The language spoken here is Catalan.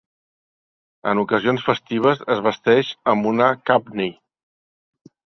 En ocasions festives, es vesteix amb una kabney.